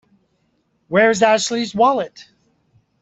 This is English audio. Where's Ashley's wallet?